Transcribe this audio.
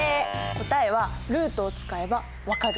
答えはルートを使えば分かる！